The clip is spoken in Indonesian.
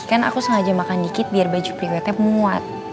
kan aku sengaja makan dikit biar baju priwetnya muat